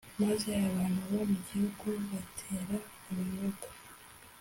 maze abantu bo mu gihugu batera abayuda